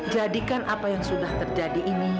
jadikan apa yang sudah terjadi ini